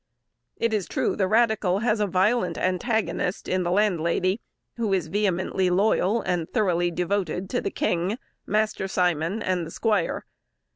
It is true the radical has a violent antagonist in the landlady, who is vehemently loyal, and thoroughly devoted to the king, Master Simon, and the squire.